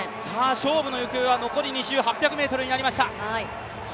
勝負の行方は残り２周、８００ｍとなりました。